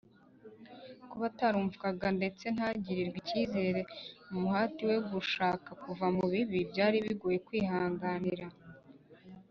kuba atarumvwaga ndetse ntagirirwe icyizere mu muhati we wo gushaka kuva mu bibi, byari bigoye kwihanganira